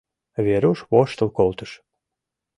Веруш воштыл колтыш.